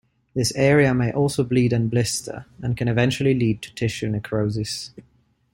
This area may also bleed and blister and can eventually lead to tissue necrosis.